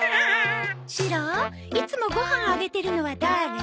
シロいつもご飯あげてるのはだれ？